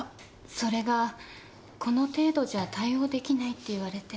それがこの程度じゃ対応できないって言われて。